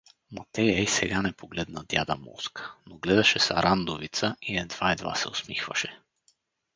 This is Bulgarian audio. Матея и сега не погледна дяда Моска, но гледаше Сарандовица и едва-едва се усмихваше.